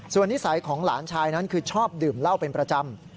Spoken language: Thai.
ส่วนนิสัยของหลานชายนั้นคือชอบดื่มเหล้าเป็นประจำ